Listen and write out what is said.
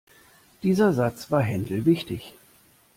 Dieser Satz war Händel wichtig.